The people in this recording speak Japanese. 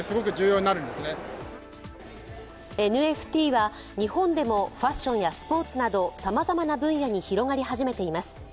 ＮＦＴは日本でもファッションやスポーツなどさまざまな分野に広がり始めています。